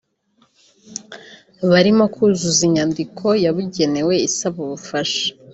birimo kuzuza inyandiko yabugenewe isaba ubufasha